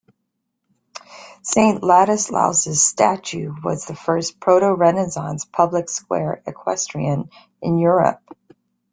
Saint Ladislaus' statue was the first proto-renaissance public square equestrian in Europe.